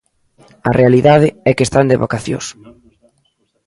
A realidade é que están de vacacións.